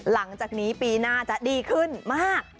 หลังจากนี้ปีหน้าจะดีขึ้นมาก